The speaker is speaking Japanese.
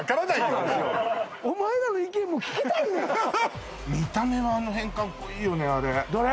もうお前らの意見も聞きたいんや見た目はあの辺カッコイイよねあれどれ？